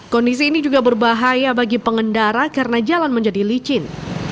kondisi ini juga berbahaya bagi pengendara karena jalan menjadi licin